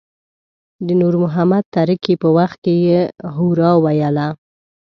د نور محمد تره کي په وخت کې يې هورا ویله.